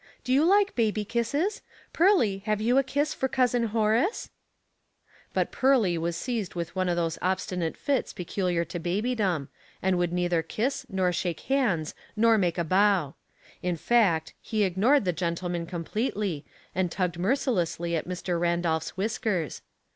Dc you like baby kisses? Pearly, have you a kisi for Cousin Horace ?'' But Pearly was seized with one of those obsti nate fits peculiar to babydom, and would neithei kiss nor shake hands nor make a bow; in fact he ignored the gentleman completely and tugged mercilessly at Mr. Randolph's whiskers.